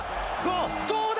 どうだ？